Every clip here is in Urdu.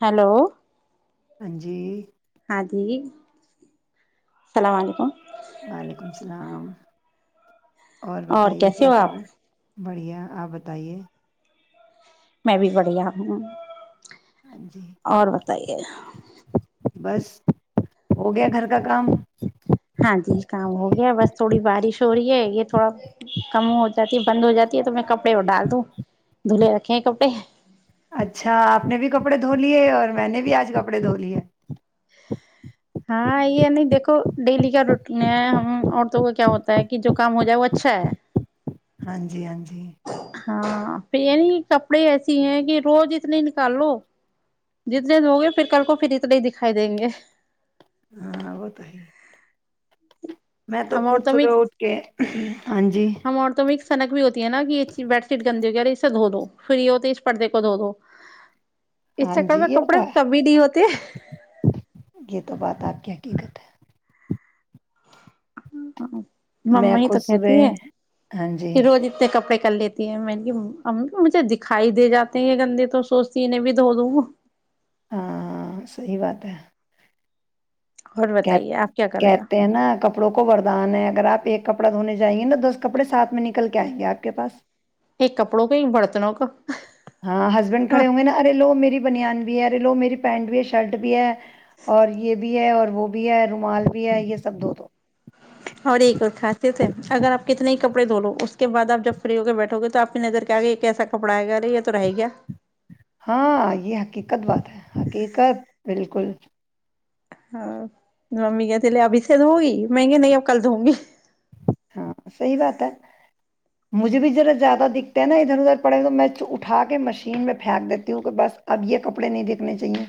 ہیلو ہاں جی ہاں جی السلام علیکم وعلیکم السلام اور بتائیے کیسے کیا ہو کر آپ رہے ہیں بڑھیا آپ بتائیے میں بھی بڑھیا ہوں ہاں جی اور بتائیے بس ہو گیا گھر کا کام ہاں جی کام ہو گیا بس تھوڑی بارش ہو رہی ہے یہ تھوڑا کم ہو جاتی بند ہو جاتی ہے تو میں کپڑے کپڑے وہ ڈال دوں دھلے رکھے ہیں کپڑے اچھا آپ نے بھی کپڑے دھولیے اور میں نے بھی آج کپڑے دھولیے ہاں یہ نہیں دیکھو ڈیلی کا روٹین ہے ہم عورتوں کا کیا ہوتا ہے کہ جو کام ہو جائے وہ اچھا ہے ہاں جی ہاں جی ہاں پھر یہ نہیں کپڑے ایسی ہیں کہ روز اتنے نکال لو جتنے دھو گے پھر کل کو پھر اتنے ہی دکھائی دیں گے ہاں وہ تو ہیی میں تو ہم خود عورتوں صبح میں اٹھ کے ہاں جی ہم عورتوں میں ایک سنک بھی ہوتی ہے نگی بیڈ شیٹ گندی ہو گئی ہے اس سے دھو دو پھر یہ ہوتی ہے کہ پردے کو دھو دو اس ہاں چکر جی میں یہ تو کپڑے کم ہے نہیں ہوتے تو بات یہ آپ حقیقت ہے ہاں ہاں میں مئی تو خود کہتی ہے صبح ہاں جی کہ روز اتنے کپڑے کر لیتی ہے میں نے امی مجھے دکھائی دے جاتے ہیں گندے تو سوچتی ہے انہیں بھی دھو دوں ہاں صحی بات ہے اور بتائیے آپ کیا کرے گا کہتے ہیں نا کپڑوں کو وردان ہے اگر آپ ایک کپڑا دھونے جائیں گے نا دس کپڑے سات میں نکل کے آئیں گے آ کے پاس ایک کپڑوں کا ایک برتنوں کا ہاں ہسبینڈ کھڑے ہوں گے نا ارے لو میری بنیان لو میری پینڈو بھی ہیں شرٹ بھی ہے اور یہ بھی ہے اور وہ بھی ہے رومال بھی ہے یہ سب دھو دو اور ایک اور خاصیت ہے اگر اپ کتنے کپڑے دھو لو اس کے بعد اپ جب فری ہو کے بیٹھو گے تو اپ کی نظر ک اگ کیا کہ یہ کیسا کپڑا ائے گا یہ تو رہ گیا ہاں یہ حقیقت بات ہے حقیقت بالکل ہاں تو امی کہتی اب اس سے دھوئے گی میں نے کہا نہیں اب کل دوں گی ہاں صحیح بات ہے مجھے بھی ذرا زیادہ دکھتے ہیں نا ادھر ادھر پڑے تو میں اٹھا کے مشین می فیک دیتی ہوں بس اب یہ کپڑے نہیں دیکھنے چاہیے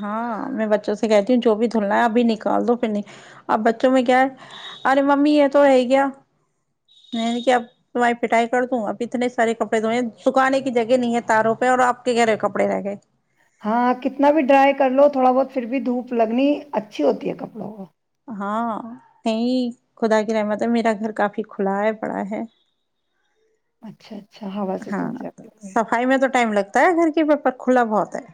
ہاں میں بچوں سے کہتی ہوں جو بھی دھلنا ہے ابھی نکال دو پھر اب بچوں میں کیا ہے ارے ممی یہ تو ہے کیا میں کہ اب پٹائی کر دوں اب اتنے سارے کپڑے دوئے ہیں سکھانے کی جگہ نہیں ہے تاروں پہ اور آپ کے کہہ رہے کپڑے رہ گئے ہاں کتنا بھی ڈرائی کر لو تھوڑا بہت پھر بھی دھوپ لگنی اچھی ہوتی ہے کپڑوں کو ہاں نہیں خدا کی رحمت ہے میرا گھر کافی کھلا ہے بڑا ہے اچھا اچھا ہوا سے سوکھ جاتے ہوں گے تے گھر کی پر کھلا بہت ہے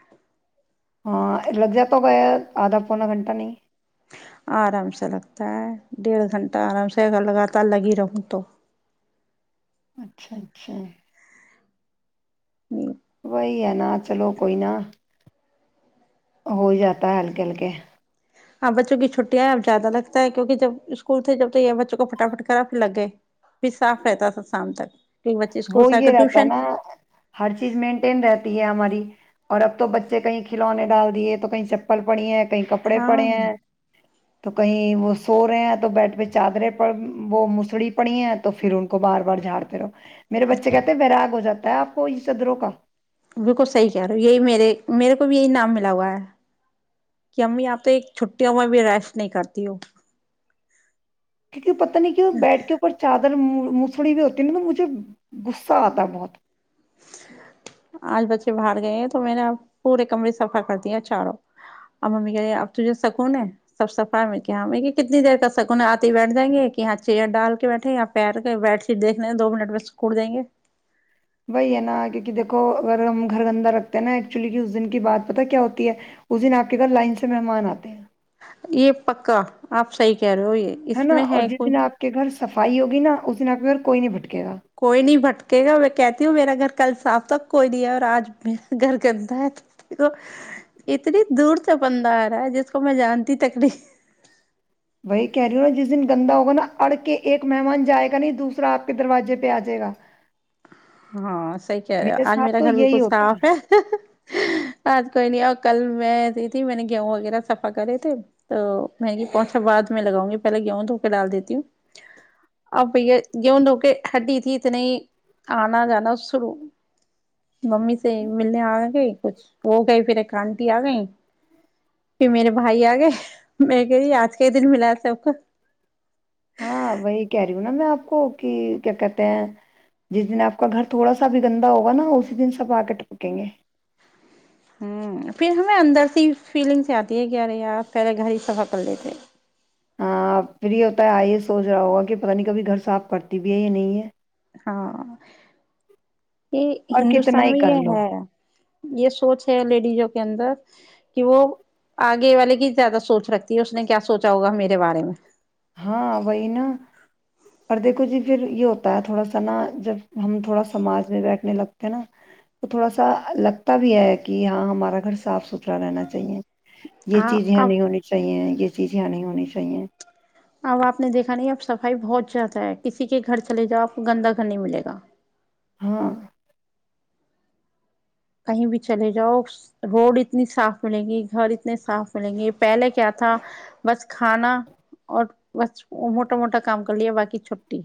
ہاں لگ جاتا ہو گیا آدھا پونا گھنٹہ نہیں آرام سے لگتا ہے ڈیڑھ گھنٹہ آرام سے لگاتار لگی رہوں تو اچھا اچھا جی وہی ہے نا چلو کوئی نہ ہو ہی جاتا ہے ہلکے ہلکے ہاں بچوں کی چھٹیاں ہم زیادہ لگتا ہے کیونکہ جب اسکول سے جب تو یہ بچوں کو فٹافٹ کرا پھر لگ گئے پھر صاف کہتا تھا شام تک کیونکہ بچے اسکول وہ سے آ کر یہ رہتا ہے ٹیوشن نا ہر چیز مینٹین رہتی ہے ہماری اور اب تو بچے کہیں کھلونے ڈال دیے تو کہیں چپل پڑی ہے کہئی کپڑے ہاں پڑے ہیں تو کہیں وہ سو رہے ہیں تو بیٹ پہ چادرے پڑ وہ مسڑی پڑی ہیں تو پھر ان کو بار بار جھاڑتے رہو میرے بچے کہتے ہیں بیرا گ ہو جاتی ہو میں اپ کو اس صدر کا بالکل صحیح کہہ رہے ہو یہی میرے میرے کو بھی یہی نام ملا ہوا ہے کہ امی آپ تو ایک چھٹیوں میں بھی ریسٹ نہیں کرتی ہو کیونکہ پتہ نہیں کی بیڈ کے اوپر چادر مڑ موسڑی ہوئی ہوتی ہے مجھے غصہ اتا ہے بہت آج بچے باہر گئے ہیں تو میں نے اب پورے کمرے صفا کر دیا چاروں اب ممی کہہ رہ اب تجھے سکون ہے سب سفا ہے یہاں کتنی دیر کا سکون ہے آتے ہی بیٹھ جائیں گے کہ یہاں چیئر ڈال کے بیٹھےاں پیر کے بیڈ شیٹ دیکھنے دو منٹ میںکٹ دیں گے و ھی ھے نا کہ دیکھو اگر ہم گھر گندا رکھتے ہیں نا ایکچولی کی اس دن کی بات پت کیا ہوتی ہے اس دن آپ کے گھر لائن سے مہمان آتے ہیں یہ پکا آپ صحیح کہہ رہے ہو یہ ہے اس نا میں اور جس کوئی دن آپ کے گھر سے صفائی ہوگ نا اس د ن آ پ کوئی نہیں بٹک کوئی نہیں بھٹکے گا میں کہتی ہوں میرا گھر کل صاف تک کوئی لیا اور آج میر گھر کرتا ہے اتنی دور سے بندہ آ رہا ہے جس کو میں جانتی تکری وہی کہہ رہی ہوں نا جس دن گندا ہوگا نا اڑ کے ایک مہمان جائے گا نہیں دوسرا آپ کے دروازے پہ آ جائے گا ہاں صحی کہہ رہے میرے آج ساتھ میرا تو گھر یہی بالکل ہوتا صاف ہے آج کوئی نہیں کل میں ایسی تھی میں نے گیہوں وغیرہ سفا کرے تھے تو میںی پہنچا بعد میں لگاؤں گی پہلے گیہوں دھوک ڈال دیتی ہوں اب بھیا گیہوں دھو کے ہڈی تھی اتنی ہی آنا جانا سرو ممی سے ملنے آ گ [unintelligible] کچھ وہ گئی پھر کانٹی آ گئی پھر میرے بھائی آ گئے میں کہ آج کے ہی دن ملا سب کو ہاں وہی کہہ رہی ہوں نا میں آپ کو کہ کیا کہتے ہیں جس دن آپ کا گھر تھوڑا سا بھی گندا ہوگا نا اسی دن سب آ کے ٹپکیں گے ہ پھر ہمیں اندر سی فیلنگس آتی ہے کہیارے یار پہلے گھر ہی صفا کر لیتے ہاں پری ہوتا ہے آئی یہ سوچ رہا ہوگا کہ پتہ نہیں کبھی گھر صاف کرتی بھی ہے یا نہیں ہے ہاں یہ اور کتنا ہندوستان ہی میں کر یہ لو ہے یہ سوچ ہے لیڈیزوں کے اندر کہ وہ آگے والے کی زیادہ سوچ رکھتی ہے اس نے کیا سوچا ہوگا میرے بارے میں ہاں وہی نا پر دیکھو جی پھر یہ ہوتا ہے تھوڑا سا نا جب ہم تھوڑا سماج میں بیٹھنے لگتے ہیں نا تو تھوڑا سا لگتا بھی ہے کہ ہاں ہمارا گھر صاف ستھرا رہنا چاہیے یہ ہاں چیز یہ اب نہیں ہونی چاہیے یہ چیز آ نہیں ہونی چاہیے اب آپ نے دیکھا نہیں اب صفائی بہت جیادا ہے کسی کے گھر چلے جاؤ آپ کو گندا گھر نہیں ملے گا ہاں کہیں بھی چلے جاؤ روڈ اتنی صاف ملیں گی گھر اتنے صاف ملیں گے [unintelligible] پہلے کیا تھا بس کھانا اور بس موٹا موٹا کام کر لیا باقی چھٹی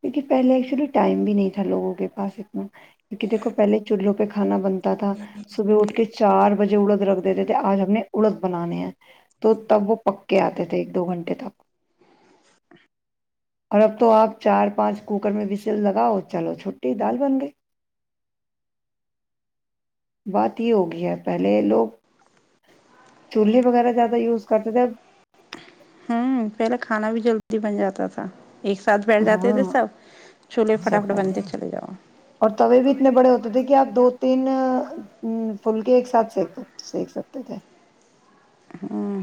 کیونکہ پہلے ایکچولی ٹائم بھی نہیں تھا لوگوں کے پاس اتنا کیونکہ دیکو پہلے چلوں پہ کھانا بنتا تھا صبح اٹھ کے چار بجے اڑد رکھ دیتے تھے آج ہم نے اڑد بنانے ہیں تو تب وہ پک کے آتے تھے ایک دو گھنٹے تک اور اب تو آپ چار پانچ کوکر میں لگاؤ چلو چھٹی دال بن گئی بات یہ ہوگئی ہے پہلے لوگ چولہے وغیرہ زیادہ یوز کرتے تھےب ہوں پہلے کھانا بھی جلدی بن جاتا تھا ایک ساتھ بیٹھ جاتے ہاں تھے سب چولہے سب فٹافٹ بیٹر بنتے چلے جاؤ اور تے بھی اتنے بڑے ہوتے تھے کہ آپ دو تین ہ پھلک ایک ساتھ سک سک سک سکتے تھے ہاں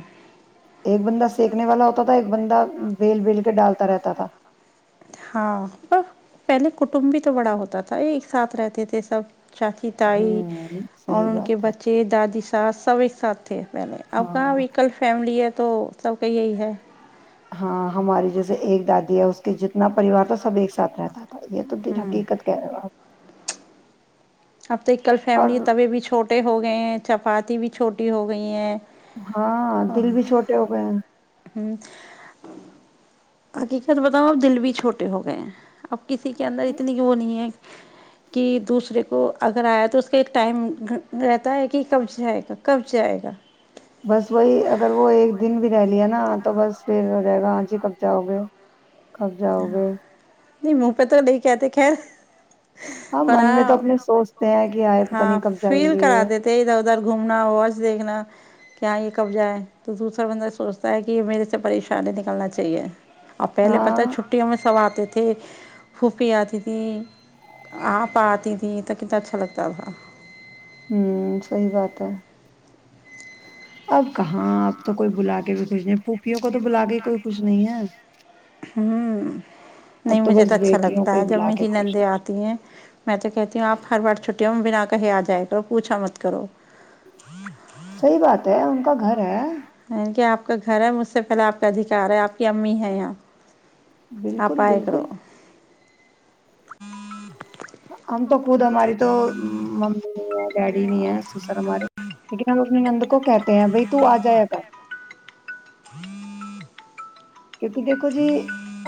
ایک بندہ سکنے والا ہوتا تھا ایک بندہ بیل بیل کے ڈالتا رہتا تھاا [unintelligible] ہاں پہلے کٹمب بھی تو بڑا ہوتا تھا ایک ساتھ رہتے تھے سب چاچی تائی ہوں اور صحیح ان کے بات ہے بچے دادی سب ایک ساتھ تھے پہلے اب کہاں ہاں اب کل فیملی ہے تو سب کا یہی ہے ہاں ہماری جیسے ایک دادی ہے اس کے جتنا پریوار تھا سب ایک ساتھ رہتا تھا یہ تو دیر ہوں حقیقت کہہ رہے ہو آپ اب تو ایک کل اور فیملی تبے بھی چھوٹے ہو گئے ہیں چپاتی بھی چھوٹی ہو گئی ہیں ہاں دل بھی چھوٹے ہو گئے ہیں حقیقت بتاؤں اب دل بھی چھوٹے ہو گئے ہیں کسی کے اندر اتنی کی وہ نہیں ہے کہ دوسرے کو اگر آیا تو اس کا ایک ٹائم رہتا ہے کہ کب جائے گا کب جائے گا بس وہی اگر وہ ایک دن بھی رہلیا ن تو بس دیر رہے گا ہاں ج ہی کب جاؤ گے کب جاؤ گے نہیں منہ پہ تو نہیںے کہتے [inaudible] پر من میں ہاں تو اپنے سوچتے ہیں کہ آئے پت ہاں نہیں کب جائیں فیل گے کرا دی تھے ادھر ادھر گھومنا واچ دیکھنا کیااں یہ کبضائے تو دوسرا بندہ سوچتا ہے کہ یہ میرے سے پریشانی نکلنا چاہیے اب پہلے ہاں پتا چھپ سو آتے تھے پھوپھی آتی تھی آپا آتی تھی تو کتنا اچھا لگتا تھا ہوں سحی بات ہے اب کہاں اب تو کوئی بلا کے بھی [inaudible] کو تو بلا کے کوئی کچھ نہیں ہے ہوں نہیں اب مجھے بس تو اچھا بیٹیوں کو لگتا ہی ہے جب بلا کے میری خوش ہے نندے آتی ہیں میں تو کہتی ہوں آپ ہر بار چھٹی ہوں میں بنا کہیں آ جائے کرو پوچھا مت کرو صحیح بات ہے ان کا گھر ہے ا کیاپ کے گھر ہے مجھ سے پہل آپ کا ادھیکار ہے آپ کی امی ہے یہاں بالکل آپائ کرڑو بالکل [unintelligible] ہم تو خود ہماری تو ممی نہیں ہے ڈیڈی نہیں ہے سسر ہمارے لیکن ہم اپنی نند کو کہتے ہیں بھائی تو آ جائے ک کیونکہ دیکھو جی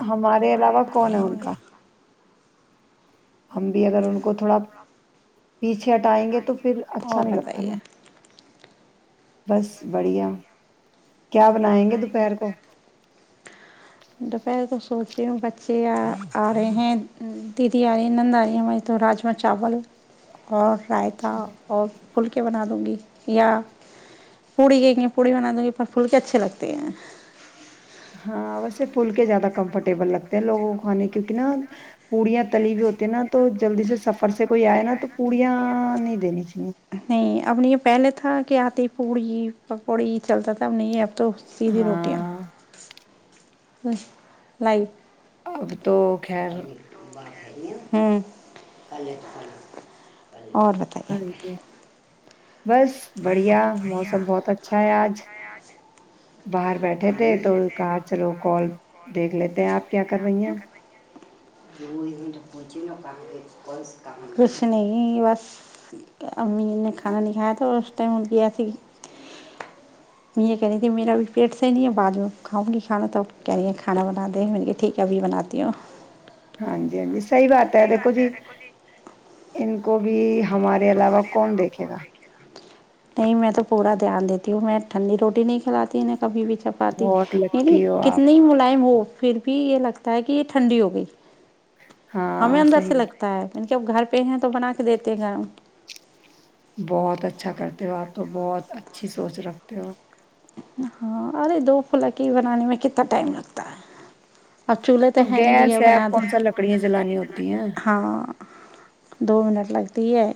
ہمارے علاوہ کون ہے ان کا ہم بھی اگر ان کو تھوڑا پیچھے ہٹائیں گے تو پھر اچھا اور نہیں لگتا نا بتائیے بس بڑھیا کیا بنائیں گے دوپہر کو دوپہر کو سوچ رہی ہوں بچے آ رہے ہیں دیدی آ رہی ہیں نند آ رہی ہیں وہ تو راجما چاول اور اچھا رائتاہ اور پھلکے بنا دوں گی یا پوڑی یہ میں پوڑی بنا دوں گی پر پھلکے اچھے لگتے ہیں ہاں ویسے پھل کے زیادہ کمفرٹیبل لگتے ہیں لوگوں کو کھانے کیوںکہ نا پوڑیاں تلی ہوئی ہوتی ہے نا تو جلدی سے سفر سے کوئی آئے نا تو پوڑیاں نہیں دینی چاہیے نہیں اپب نے یہ پہلے تھا کیا آتی پوڑی پکوڑی چلتا تھا اب نہیں ہے تو سی دی روٹیاں ہاں ہ لائی [unintelligible] ا [unintelligible] تو خیر ہوں اور بتائیے ہاں جی بس بڑھیا موسم بہت اچھا ہے آج باہر بیٹھے تھے تو کہا چلو کال دیکھ لیتے ہیں آپ کیا کر رہی ہیں کچھ نہیں بس امی نے کھانا نہیں کایا تھا تو ہ گ س میں یہ کہہ رہی تھی میرا بھی پیٹ سےحی نہیں ہے بعد میں کھاؤں گی کھانا توب کہہ رہی ہیں کھانا بنا دیں میں نے کہ ٹھیک ہے ابھی بناتی ہوں ہاں جی ہاں جی صحی بات ہے دیکھو جی ان کو بھی ہمارے علاوہ کون دیکھے گا نہیں میں تو پورا دھیان دیتی ہوں میں ٹھنڈی روٹی نہیں کھاتی ہے کبھی بھی چھپاتی بہت ینی لکی ہو آپ کتنی ملائم ہو پھر بھی یہ لگتا ہے کہ ٹھنڈی ہو گئی ہمیں ہاں اندر صحیح سے بات لگتا ہے جب گھر پہ ہیں تو بنا کے دیتے ہیں گرم بہت اچھا کرتے ہو آپ تو بہت اچھی سوچ رکھتے ہو ہاں ارے دو پلا کی بنانے میں کتنا ٹائم لگتا ہے اب چولہے تو وہ ہے نہیں گیس بھیا ہےپ بنا دو کون سا لکڑیاں جلانی ہوتی ہیں ہاں دو منٹ لگتی ہے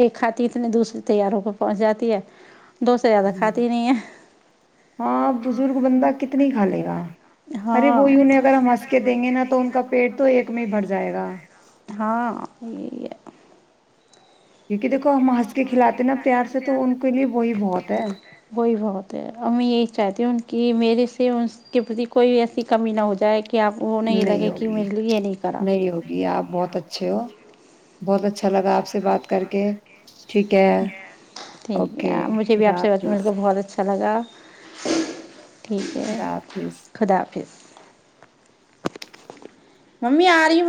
ایک کاتط اتنے دوسرے تیاروں پہ پہنچ جاتی ہے دو سےو زیادہ ہوں، کھاتی نہیں ہے ہاں بزرگ بندہ کتنی کھا لے گا ارے ہاں وہی انہیں اگر ہم ہنس کے دیں گے نا تو ان کا پیٹ تو ایک میں ہی بھر جائے گا گا ہاں یہی ہے کہ دیکھو ہمس بہت ہے وہی بہت ہے ا یہی چاہتی ہ کہ میرے سے اس کے پرتی کوئی ایسی کمی نہ ہو جائے کہ آپ وہ نہیں لگے کہ ہوگی میرے لیے یہ کرا نہیں ہوگی آپ بہت اچھے ہو بہت اچھا لگا آپ سے بات کر کے ٹھیک ہے ٹھیک اوکے ہے مجھے بھی خدا آپ سے بچل حافظ کو بہت اچھا لگا [unintelligible] ٹھیک ہے خدا حافظ خدا حافظ ممی آ رہی